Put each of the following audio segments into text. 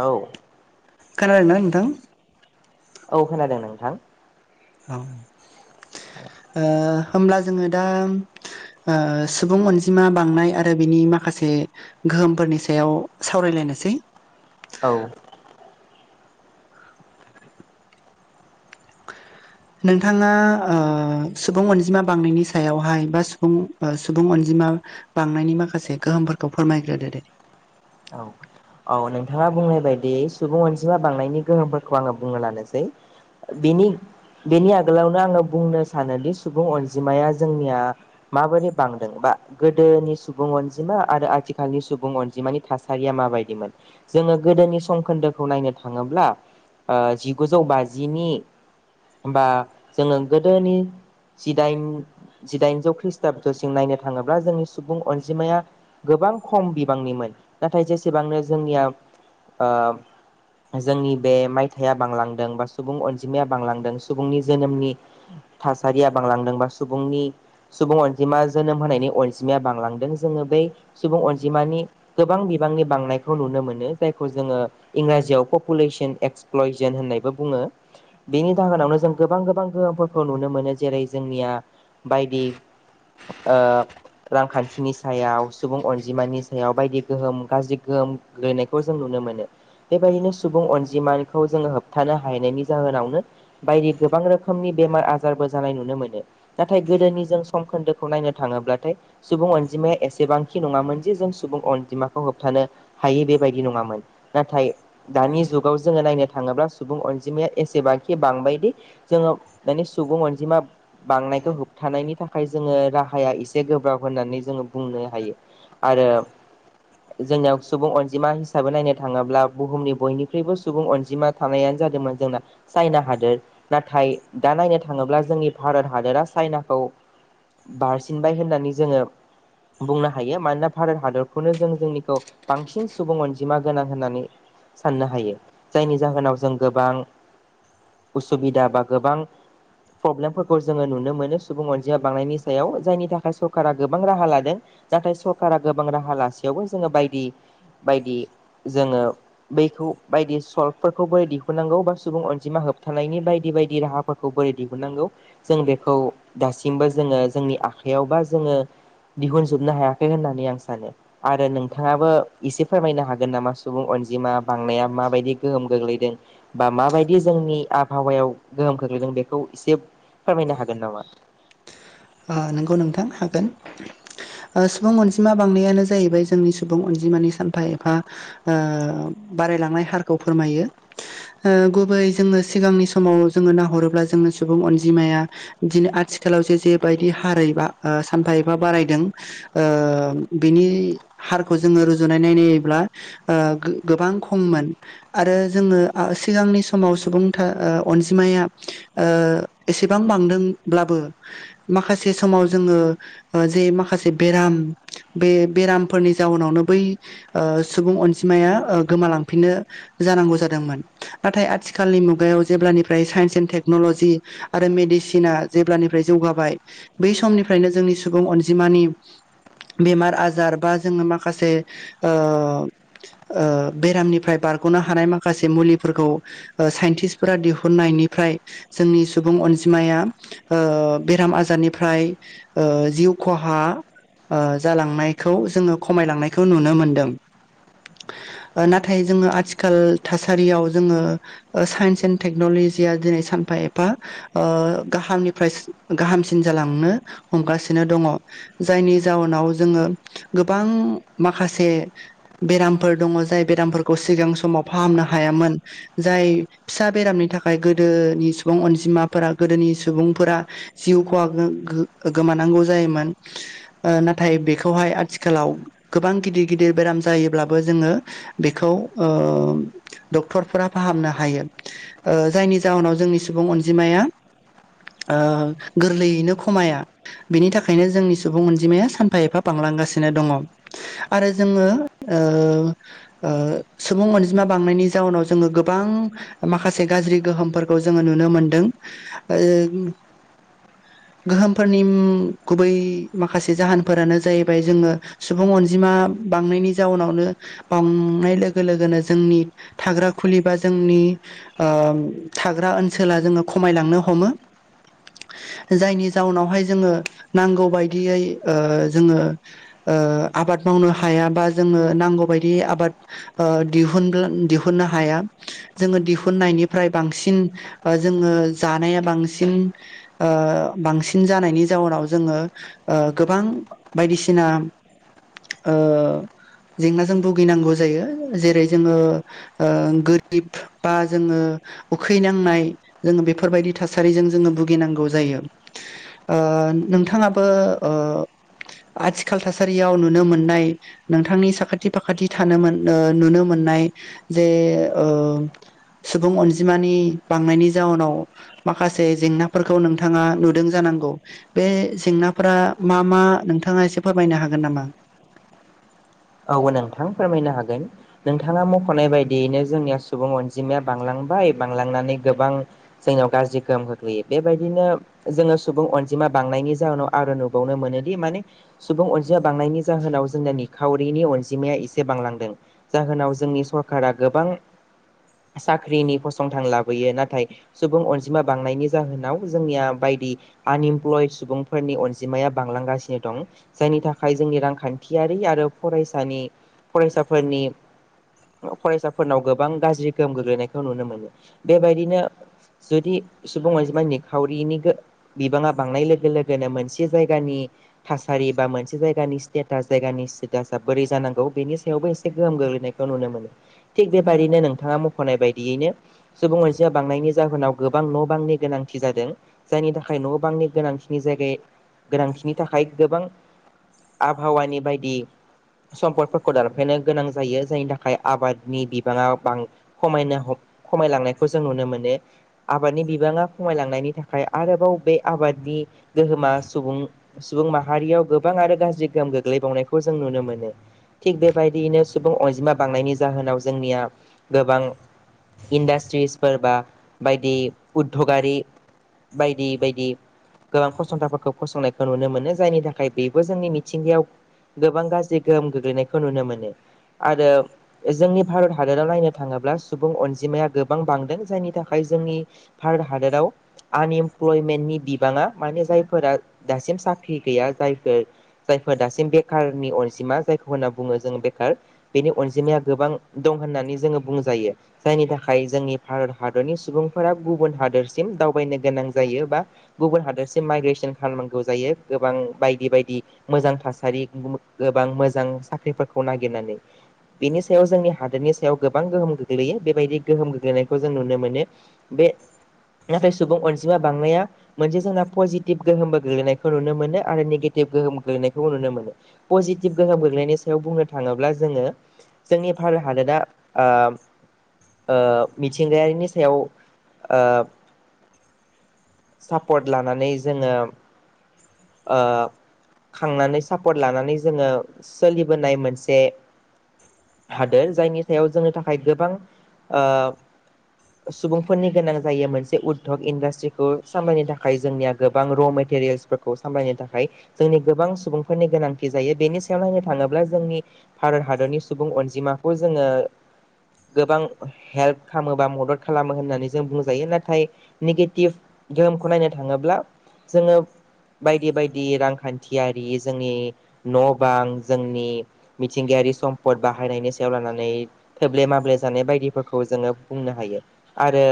औ खोनादों ना नोंथां। औ खोनादों नोंथां। औ ओ होमब्ला जोंङो दा ओ सुबुं अनजिमा बांनाय आरो बिनि माखासे गोहोमफोरनि सायाव सावरायलाय यनोसै। औ। नोंथांङा ओ सुबुं अनजिमा बांनायनि सायावहाय बा सुबुं ओ सुबुं अनजि मा बांनायनि माखासे गोहोमफोरखौ फोरमायग्रोदो दे। औ। औ नोंथांङा बुंनाय बायदि सुबुं अनजिमा बांनायनि गोहोमफोरखौ आंङो बुंना लानोसै। बिनि बेनि आगोलावनो आंङो बुंनो सानोदि सुबुं अनजिमाया जोंनिया माबोरै बांदों बा गोदोनि सुबुं अनजिमा आरो आथिखालनि सुबुं अनजिमानि थासारिया माबायदि मोन । जोंङो गोदोनि सम खोन्दोखौ नायनो थाङोब्ला ओ जिगुजौ बाजिनि बा जोंङो गोदोनि जिदाइन जिदाइनजौ खृस्टाबदसिम नायनो थाङोब्ला जोंनि सुबुं अनजिमाया गोबां खम बिबांनिमोन नाथाय जेसेबांनो जोंनिया ओ जोंनि बे मायथाइया बांलांदों बा सुबुं अनजिमाया बांलांदों सुबुंनि जोनोमनि। थासारिया बांलांदों बा सुबुंनि सुबुं अनजिमा जोनोम होनायनि अनजिमाया बांलांदों जोंङो बै सुबुं अनजिमानि गोबां बिबांनि बांनायखौ नुनो मोनो । जायखौ जोङो इंराजियाव पपुलेसन एक्सप्लयजन होननायबो बुङो। बेनि जाहोनावनो जों गोबां गोबां गोहोमफोरखौ नुनो मोनो जेरै जोंनिया बायदि ओ रांखान्थिनि सायाव, सुबुं अनजिमानि सायाव बायदि गोहोम गाज्रि गोहोम गोलैनायखौ जों नुनो मोनो बेबायदिनो सुबुं अनजिमाखौ जोंङो होबथानो हायनायनि जाहोन फोरावनो बायदि गोबां रोखोमनि बेमार आजारबो जानाय नुनो मोनो । नाथाय गोदोनि जों सम खौ नायनो थांङोब्लाथाय सुबुं अनजिमाया एसेबांखि नङामोन जे जों सुबुं अनजिमाखौ होबथानो हायै बेबायदि नङामोन नाथाय दानि जुगाव जोंङो नायनो थाङोब्ला सुबुं अनजिमाया एसे जेबाखि बांबायदि जोङो माने सुबुं अनजिमा बांनायखौ होबथानायनि थाखाय जोङो ओ राहाया एसे गोब्राब होननानै जोङो बुंनो हायो आरो जोंनियाव सुबुं अनजिमा हिसाबै नायनो थाङोब्ला बुहुमनि बयनिख्रुइबो सुबुं अनजिमा थानायानो जादोंमोन जोंना चाइना हादोर नाथाय दा नायनो थाङोब्ला जोंनि भारत हादोरा चाइनाखौ बारसिनबाय होननानै जोङो बुंनो हायो । मानोना भारत हादरखौनो जों जोंनिखौ बांसिन सुबुं अनजिमा गोनां होननानै साननो हायो । जायनि जाहोनाव जों गोबां उसुबिदा बा गोबां प्रब्लेमफोरखौ जोङो नुनो मोनो सुबुं अनजिमा बांनायनि सायाव जायनि थाखाय सरकारा गोबां राहा लादों । नाथाय सरकारा गोबां राहा लासेयावबो जोङो बायदि बायदि जोङो बैखौ बायदि सल्भफोरखौबो दिहुन नांगौ बा सुबुं अनजिमा होबथानायनि बायदि बायदि राहाफोरखौ बोरै दिहुनांगौ जों बेखौ दासि सिमबो जोङो जोंनि आखायाव बा जोङो दिहुनजोबनो हायाखै होननानै आं सानो आरो नोंथाङाबो एसे फोरमायनो हागोन नामा सुबुं अनजिमा बांनाया माबायदि गोहोम गोग्लैदों बा माबायदि जों नि आबहावायाव गोहोम खोख्लैदों बेखौ एसे फोरमायनो हागोन नामा? आ नोंगौ नोंथां हागोन। ओ सुबुं अनजिमा बांनायानो जाहैबाय जोंनि सुबुं अनजिमानि सानफा एफा ओ बारायलांनाय हारखौ फोरमायो। ओ गुबै जोङो सिगांनि समाव जोङो नाहरोब्ला जोङो सुबुं अनजिमाया दिन आथिखा खालाव जे जेब बायदि हारै बा ओ सानफा एफा बारायदों ओ बिनि हारखौ जोङो रुजुनायनै नायोब्ला ओ गो-गोबां खममोन आरो जोङो आ सिगांनि सम माव सुबुंथा ओ अनजिमाया ओ एसेबां बांदोंब्लाबो माखासे समाव जोङो ओ जे माखासे बेराम बे बेरामफोरनि जाउनावनो बै ओ सुबुं अनजिमाया ओ गोमालांफिनो जानांगौ जादोंमोन नाथाय आथिखालनि मुगायाव जेब्लानिफ्राय साइन्स एण्ड टेक्न'ल'जि आरो मेदि सिना जेब्लानिफ्राय जौगाबाय बै समनिफ्रायनो जोंनि सुबुं अनजिमानि बेमार आजार बा जोङो माखासे ओ ओ बेरामनिफ्राय बा बारग'नो हानाय माखासे मुलिफोरखौ ओ साइन्टिसफ्रा दिहुननायनिफ्राय जोंनि सुबुं अन जिमाया ओ बेराम आजारनिफ्राय ओ जिउ खहा ओ जालांनायखौ जोङो खमायलांनायखौ नुनो मोनदों । ओ नाथाय जोङो आथिखाल थासारियाव जोङो ओ साइन्स एन्ड टेक्न'लि जिया दिनै सानफा एफा ओ गाहामनिफ्राय सि गाहामसि सिन जालांनो हमगासिनो दङ जायनि जाउनाव जोङो गोबां मा खासे बेरामफोर दङ जाय बेरामफोरखौ सिगां समाव फाहामनो हायामोन जाय यो फिसा बेरामनि थाखाय गोदोनि सुबुं अनजिमाफोरा गोदोनि सुबुंफोरा जिउ खहा गो-गो-गोमानांगौ जायो मोन ओ नाथाय बेखौहाय आथिखालाव गोबां बां गिदिर गिदिर बेराम जायोब्लाबो जोङो बेखौ ओ डक्टरफोरा फाहामनो हायो ओ जायनि जाहोनाव जोंनि सुबुं अनजिमाया ओ गोरलैयैनो खमाया बिनि थाखायनो जोंनि सुबुं अनजिमाया सानफा एफा बांलांगासिनो दङ । आरो जोङो ओ ओ सुबुं अनजिमा बांनायनि जाउनाव जोङो गोबा बां माखासे गाज्रि गोहोमफोरखौ जोङो नुनो मोनदों ओ [unintelligible] गोहोमफोरनि उम्म गुबै माखासे जाहोनफोरानो जाहैबाय जोङो सुबुं अनजिमा बांनायनि जाउनावनो बांनाय लोगो लोगोनो जोंनि थाग्रा खुलि बा जोंनि ओ थाग्रा ओनसोला जोंना खमायलांनो हमो । जायनि जाउनावहाय जोङो नांगौ बायदियै ओ जोङो ओ आबाद मावनो हाया बा जोङो नांगौ बायदि आबाद ओ दिहुनब्ल दिहुननो हाया । जोङो दिहुननायनिफ्राय बांसिन जोङो जानाया बांसिन ओ बांसिन जानायनि जाउनाव जोङो गोबां बायदिसिना ओ जेंनाजों भुगिनांगौ जायो जेरै जोङो ओ गोरिब बा जोङो उखैनांनाय जोङो बेफोरबायदि थासारिजों जोङो भुगिनांगौ जायो ओ नोंथाङाबो ओ आथिखाल थासारियाव नुनो मोननाय नोंथांनि साखाथि फाखाथि थानो मोन नुनो मोन नाय जे ओ सुबुं अनजिमानि बांनायनि जाउनाव माखासे जेंनाफोरखौ नोंथां नोंथाङा नुदों जानांगौ बे जेंनाफोरा मा मा नोंथाङा एसे फोरमायनो हागोन नामा? औ नोंथां फोरमायनो हागोन नोंथाङा मख'नाय बायदियैनो जोंनिया सुबुं अनजिमाया बांलां बाय बांलांनानै गोबां जोंनाव गाज्रि गोहोम खख्लैयो बेबायदिनो जोङो सुबुं अनजि बांनायनि जाउनाव आरो नुबावनो मोनो दि माने सुबुं अनजिमाया बांनायनि जाहोनाव जोंना नि खावरिनि अनजिमाया एसे बांलांदों जाहोनाव जोंनि सरकारा गोबां साख्रिनि फसंथान लाबोयो नाथाय सुबुं अनजिमा बांनायनि जाहोनाव जोंनिया बाय आनइमप्लय सुबुंफोरनि अनजिमाया बांलांगासिनो दं जायनि थाखाय जोंनि रांखान्थि फारि आरो फरायसानि फरायसाफोरनि फरायसाफोरनाव गोबां गाज्रि गोहोम गोग्लैनायखौ नुनो मोनो बेबायदिनो जुदि सुबुं अनजिमा निखावरिनि गो बिबाङा बांनाय लोगो लोगोनो मोनसे जायगानि थासारि बा मोनसे जायगानि स्तेटाज जायगानि [unintelligible] बोरै जानांगौ बेनि सायावबो एसे गोहोम गोग्लैनायखौ नुनो मोनो थिग बेबायदिनो नोंथाङा मख'नाय बाय बिदियैनो सुबुं मोनसेया बांनायनि जाहोनाव गोबां न' बांनि गोनांथि जादों जायनि थाखाय न' बां नि गोनांथिनि जायग गोनांथिनि थाखाय गोबां आबहावानि बायदि। [inaudible] सम्पदफोरखौ दानफेरनो गोनां जायो जायनि थाखाय आबादनि बिबाङाां खमायनो। खमायलांनायखौ जों नुनो मोनो आबादनि बिबाङा खमायलांनायनि थाखाय आरोबाव बे आबादनि। गोहोमा सुबुं सुबुं माहारियाव गोबां आरो गाज्रि गोहोम गोग्लैबावनायखौ। जों नुनो मोनो थिग बेबायदियैनो सुबुं अनजिमा बांनायनि जाहोनाव जोंनिया गोबां। इन्डास्ट्रिसफोर बा बायदि उदधगारि। बायदि बायदि। गोबां फसंथानफोरखौ फसंनायखौ नुनो मोनो जायनि थाखाय बेबो जोंनि मिथिंगायाव। गोबां गाज्रि गोहोम गोग्लैनायखौ नुनो मोनो। आरो जोंनि भारत हादराव नायनो थाङोब्ला सुबुं अनजिमाया गोबां बांदों जायनि थाखाय। जोंनि भारत हादराव आनइमप्लयमेन्टनि बिबाङा माने जायफोरा दासिम। साख्रि गैया जाय जायफोर दासिम बे। बेखारनि अनजिमा जायखौ होनना बुङो जों बेखार बेनि अनजिमाया गोबां दं होननानै जोङो बुं जायो जायनि थाखाय जोंनि भारत हादरनि सुबुंफोरा गुबुन हादरसिम दावबायनो गोनां जायो। गुबुन हादसिम माइग्रेसन खालामनांगौ जायो गोबां बायदि बायदि मोजां थासारि गोबां मोजां साख्रिफोरखौ नागिरनानै बेनि सायाव जोंनि हादोरनि सायाव गोबां गोहोम गोग्लैयो बेबायदि गोहोम गोग्लैनायखौ जों नुनो मोनो बे [inaudible] नाथाय सुबुं अनजिमा बांनाया मोनसे जोंना पजिटिभ गोहोमबो गोग्लैनायखौ नुनो मोनो आरो नेगेटिभ गोहोम गोग्लैनायखौबो नुनो मोनो। पजिटिभ गोहोम गोग्लैनायनि सायाव बुंनो थाङोब्ला जोङो जोंनि भारत हादरा। ओ मिथिंगायारिनि सायाव ओ। सापर्ट लानानै जोङो ओ खांनानै सापर्ट लानानै जोङो सोलिबोनाय मोनसे जायनि सायाव जोंनि थाखाय गोबां ओ सुबुंफोरनि गोनां जायो मोनसे उद्धग इन्डास्ट्रिखौ सामलायनो थाखाय जोंनिया गोबां र मे गेरेजफो खौ सामलायनो थाखाय जोंनि गोबां सुबुंफोरनि गोनांथि जायो बेनि सायाव नायनो थाङोब्ला जोंनि भारत हादरनि सुबुं अनजिमाखौ जोंङो गोबां हेल्प खालामो बा मदद खालामो होननानै जों बुंजायो नाथाय नेगेटिभ गेहोमखौ नायनो थाङोब्ला जोंङो बायदि बायदि रांखान्थियारि जोंनि न' बां जोंनि मिथिंगायारि सम्पद बाहायनायनि सायाव लानानै थोब्ले माब्ले जानाय बायदिफोरखौ जोंङो बुंनो हायो आ रो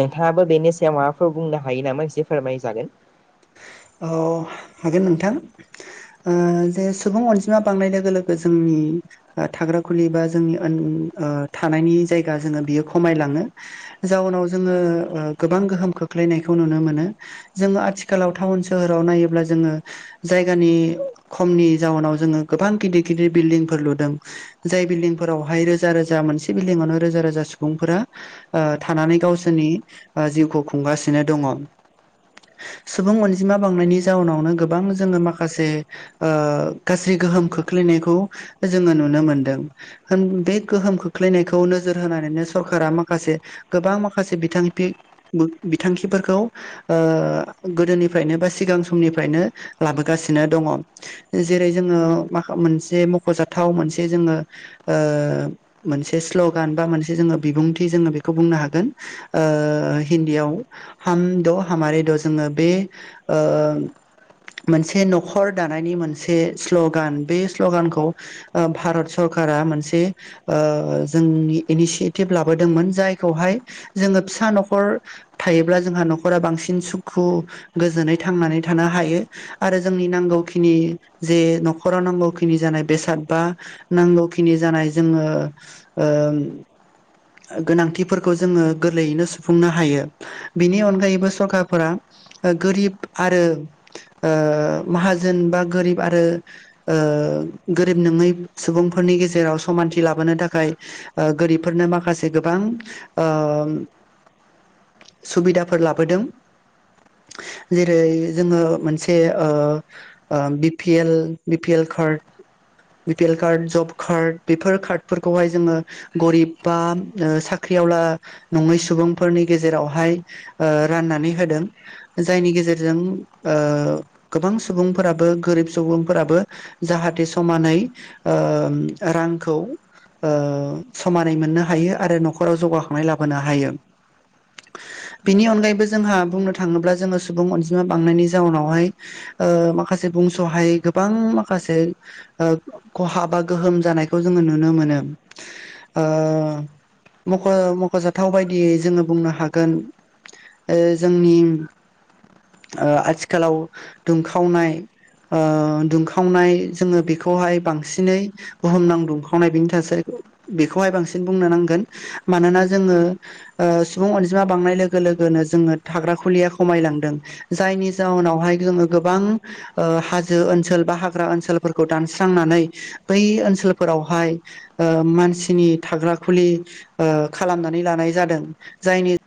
नोंथांङाबो बेनि सायाव माबाफोर बुंनो हायो नामा एसे फोरमायजागोन । [inaudible] अ हागोन नोंथां ओ जे सुबुं अनजिमा बांनाय लोगो लोगो जोंनि। थाग्रा खुलि बा जोंनि ओन थानायनि जायगा जोंङो बियो खमायलाङो । जाउनाव जोंङो ओ गोबां गोहोम खोख्लैनायखौ नुनो मोनो जोंङो आथि खालाव टाउन सोहोराव नायोब्ला जोङो जायगानि खमनि जाउनाव जोंङो गोबां गिदिद गिदिर बिल्दिंफोर लुदों जाय बिल्डिंफोरावहाय रोजा रोजा मोनसे बिल्दिंआवनो रोजा रोजा सुबुंफोरा‌ ओ थानानै गावसोरनि जिउखौ खुंगासिनो दङ । सुबुं अनजिमा बांनायनि जाउनावनो गोबां जोंङो माखासे ओ गाज्रि गोहोम खोख्लै नायखौ जोंङो नुनो मोनदों होम बे गोहोम खोख्लैनायखौ नोजोर होनानै सरकारा दा माखासे गोबां माखासे बिथांथि बिथांखिफोरखौ ओ। गोदोनिफ्रायनो बा सिगां समनिफ्रायनो लाबोगासिनो दङ जेरै जोङो माखो मोनसे मख'जाथाव मोनसे जोंङो ओ मोनसे स्लगान बा मोनसे जोंङो बिबुं थि जोंङो बेखौ होगोन ओ हिन्दियाव हाम द हमारि दस। जोंङो बे ओ। मोनसे न'खर दानायनि मोनसे स्ल'गान बे स्ल'गानखौ ओ भारत सर खारा मोनसे ओ जोंनि इनिसियेटिभ लाबोदोंमोन जायखौहाय जोंङो फि सा न'खर थायोब्ला जोंहा न'खरा बांसिन सुख खु गोजोनै थांनानै थानो हायो आरो जोंनि नांगौखिनि जे न'खराव [unintelligible] नांगौ खिनि जानाय बेसाद बा नांगौ खिनि जानाय जोंङो ओम ओ गोनांथिफोरखौ जोंङो गोरलैयैनो सुफुंनो हायो बिनि अनगायैबो सरकारफोरा ओ गोरिब आरो ओ माहाजोन बा गोरिब आरो ओ गोरिब नोङै सुबुंफो फोरनि गेजेराव समानथि लाबोनो थाखाय ओ गोरिबफोरनो माखासे गोबां ओम सुबिदाफोर लाबोदों । जेरै जोंङो मोनसे ओ ओ B P L B P L card B P L card जब खार्ड बेफोर खार्डफोरखौहाय जोंङो गरिब बाम ओ साख ख्रि आवला नंङै सुबुंफोरनि गेजेरावहाय ओ राननानै होदों । जायनि गेजेरजों ओ गोबां सुबुंफोराबो गोरिब सुबुंफोराबो जाहाथे समानै ओम रांखौ ओ समानै मोननो हायो आरो न'खराव जौगाखांनाय लाबोनो हायो । बिनि अनगायैबो जोंहा बुंनो था थाङोब्ला जोंङो सुबुं अनजिमा बांनायनि जाउनावहाय ओ माखासे बुंस'हायि गोबां माखा से ओ खहा बा गोहोम जानायखौ जोंङो नुनो मोनो ओ मख' मख'जाथाव बायदियै जोंङो बुंनो हागोन ओ जोंनि ओ आथिखालाव दुंखावनाय ओ दुंखावनाय जोंङो बेखौहाय बांसिनै बुहुमनां दुंखावनाय बेनि थासारिखो बेखौहाय बांसिन बुंनो नांगोन मानोना जोंङो ओ सुबुं अनजिमा बांनाय लोगो लोग गोनो जोंङो थाग्रा खुलिया खमायलांदों जायनि जाउनावहाय जोंङो गोबां ओ हाजो ओनसोल बा हाग ग्रा ओनसोलफोरखौ दानस्रांनानै बै ओनसोलफोरावहाय ओ मानसिनि थाग्रा खुलि ओ खालामनानै लानाय जादों जायनि